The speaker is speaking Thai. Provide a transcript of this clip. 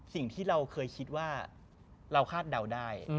สิ่งที่เราเคยคิดว่าเราคาดเดาได้